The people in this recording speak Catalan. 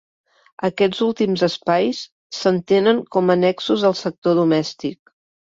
Aquests últims espais s'entenen com a annexos del sector domèstic.